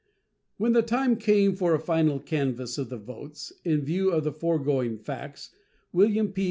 When the time came for a final canvass of the votes, in view of the foregoing facts William P.